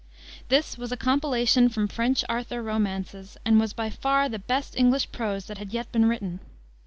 This was a compilation from French Arthur romances, and was by far the best English prose that had yet been written.